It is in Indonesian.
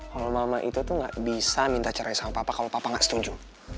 kalo mama itu tuh gak bisa minta cerai sama papa kalo papa gak setuju